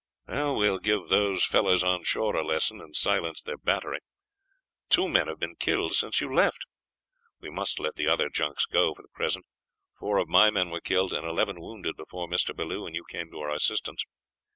"We will give those fellows on shore a lesson, and silence their battery. Two men have been killed since you left. We must let the other junks go for the present. Four of my men were killed and eleven wounded before Mr. Bellew and you came to our assistance.